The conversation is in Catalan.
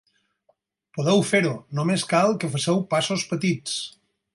Podeu fer-ho. Només cal que feu passos petits.